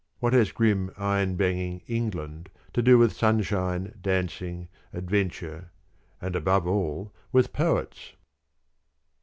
What has grim iron banging England to do with sunshine, dancing, adventure and, above all, with Poets?